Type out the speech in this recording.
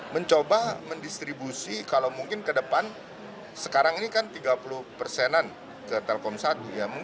mencoba mendistribusi kalau mungkin ke depan sekarang ini kan tiga puluh persenan ke telkom satu